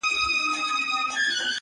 د لرغونو پاچاهانو نومونه مشهور دي